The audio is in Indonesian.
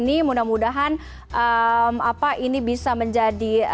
ini bisa menjadi